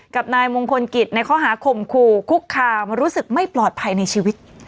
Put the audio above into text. กับนายมงคลกิจในข้อหาข่มขู่คุกคามรู้สึกไม่ปลอดภัยในชีวิต